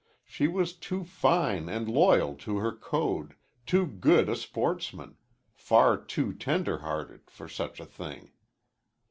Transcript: She was too fine and loyal to her code, too good a sportsman, far too tender hearted, for such a thing.